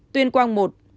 tuyên quang một